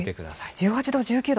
１８度、１９度？